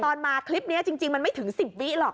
มาคลิปนี้จริงมันไม่ถึง๑๐วิหรอก